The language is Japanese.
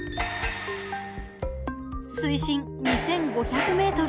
水深２，５００ｍ。